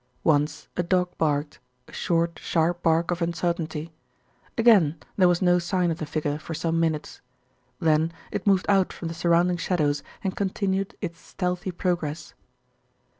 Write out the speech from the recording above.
Once a dog barked, a short, sharp bark of uncertainty. Again there was no sign of the figure for some minutes. Then it moved out from the surrounding shadows and continued its stealthy progress.